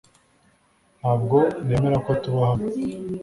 Ntabwo nemera ko tuba hano